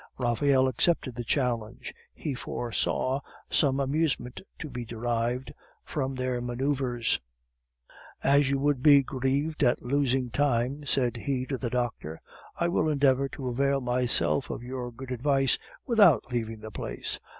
Raphael accepted the challenge, he foresaw some amusement to be derived from their manoeuvres. "As you would be grieved at losing me," said he to the doctor, "I will endeavor to avail myself of your good advice without leaving the place.